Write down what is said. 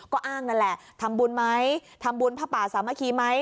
ก็อ้างนั่นแหละทำบุญไหมทำบุญพระป่าสามัคคีไหม